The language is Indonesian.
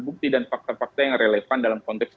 bukti dan fakta fakta yang relevan dalam konteks